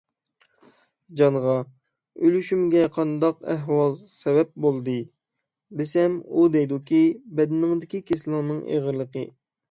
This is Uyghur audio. جانغا: «ئۆلۈشۈمگە قانداق ئەھۋال سەۋەب بولدى؟» دېسەم، ئۇ دەيدۇكى: «بەدىنىڭدىكى كېسىلىڭنىڭ ئېغىرلىقى».